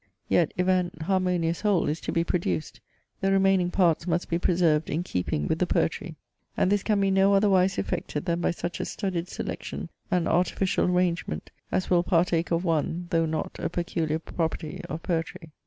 Yet if an harmonious whole is to be produced, the remaining parts must be preserved in keeping with the poetry; and this can be no otherwise effected than by such a studied selection and artificial arrangement, as will partake of one, though not a peculiar property of poetry.